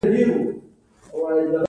خبرې اترې پر دوی اغېز نلري.